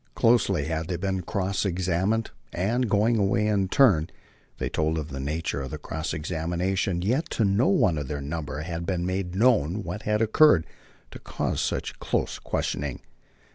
Closely had they been cross examined; and, going away in turn, they told of the nature of the cross examination; yet to no one of their number had been made known what had occurred to cause such close questioning.